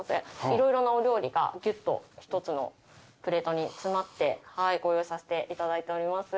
色々なお料理がぎゅっと一つのプレートに詰まってご用意させていただいております。